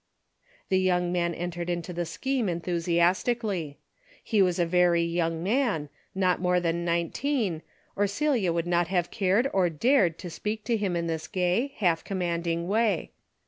The young man entered into the scheme en A DAILY BATE.'^ 53 thusiasticallj. He was a very young man, not more than nineteen, or Celia would not have cared or dared to speak to him in this gay, half commanding way.